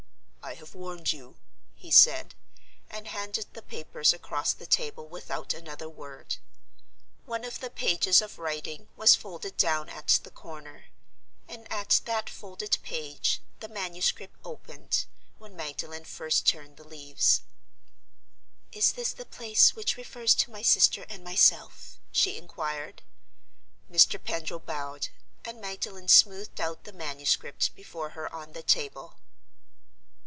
"I have warned you," he said—and handed the papers across the table without another word. One of the pages of writing—was folded down at the corner; and at that folded page the manuscript opened, when Magdalen first turned the leaves. "Is this the place which refers to my sister and myself?" she inquired. Mr. Pendril bowed; and Magdalen smoothed out the manuscript before her on the table.